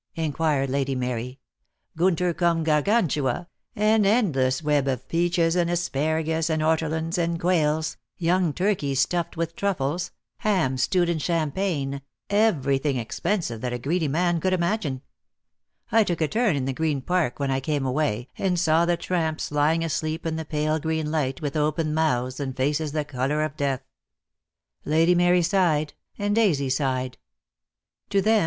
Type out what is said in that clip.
inquired Lady Mary. " Gunier cum Gargantiia, an endless web of peaches and asparagus and ortolans and quails, young turkeys stuffed with truffles, hams stewed in champagne, everything expensive that a greedy man could imagine. I took a turn in the Green Park when I came away, and saw the tramps lying asleep in the pale green light, with open mouths, and faces the colour of death." Lady Mary sighed, and Daisy sighed. To them 136 DEAD LOVE HAS CHAINS.